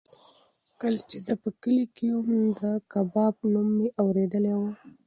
کله چې زه په کلي کې وم نو د کباب نوم مې اورېدلی و.